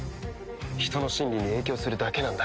人の心理に影響するだけなんだ。